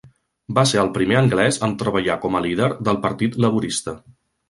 Va ser el primer anglès en treballar com a líder del Partit Laborista.